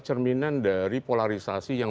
cerminan dari polarisasi yang